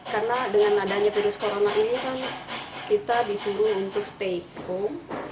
karena dengan adanya virus corona ini kan kita disuruh untuk stay home